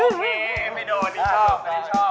โอเคไม่โดดไม่ได้ชอบ